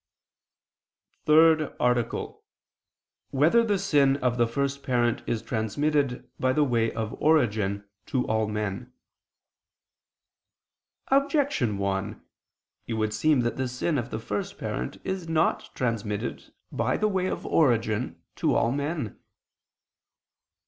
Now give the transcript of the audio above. ________________________ THIRD ARTICLE [I II, Q. 81, Art. 3] Whether the Sin of the First Parent Is Transmitted, by the Way of Origin, to All Men? Objection 1: It would seem that the sin of the first parent is not transmitted, by the way of origin, to all men.